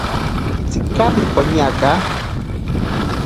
Tsika pipoñaka.